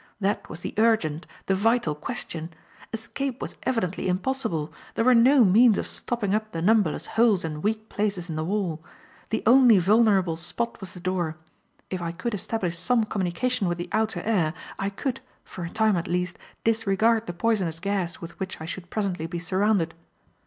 That was the urgent, the vital question. Escape was evidently impossible. There were no means of stopping up the numberless holes and weak places in the wall. The only vulnerable spot was the door. If I could establish some communication with the outer air, I could, for a time at least, disregard the poisonous gas with which I should presently be surrounded.